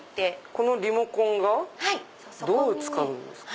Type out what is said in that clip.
このリモコンがどう使うんですか？